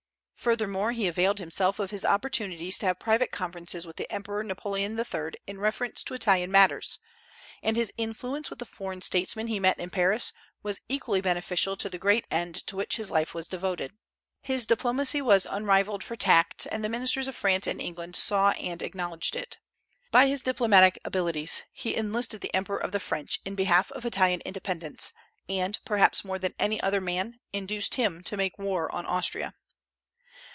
Furthermore, he availed himself of his opportunities to have private conferences with the Emperor Napoleon III. in reference to Italian matters; and his influence with the foreign statesmen he met in Paris was equally beneficial to the great end to which his life was devoted. His diplomacy was unrivalled for tact, and the ministers of France and England saw and acknowledged it. By his diplomatic abilities he enlisted the Emperor of the French in behalf of Italian independence, and, perhaps more than any other man, induced him to make war on Austria.